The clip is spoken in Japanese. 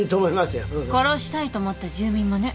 殺したいと思った住民もね。